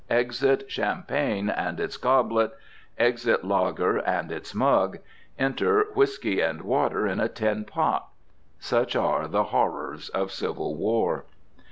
Exit Champagne and its goblet; exit lager and its mug; enter whiskey and water in a tin pot. Such are the horrors of civil war!